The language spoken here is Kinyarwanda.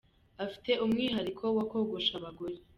Afite umwihariko wo kogosha abagore